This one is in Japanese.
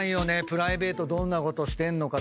プライベートどんなことしてんのか。